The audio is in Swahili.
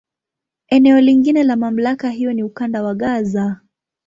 Eneo lingine la MamlakA hiyo ni Ukanda wa Gaza.